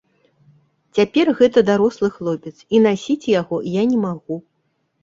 Цяпер гэта дарослы хлопец, і насіць яго я не магу.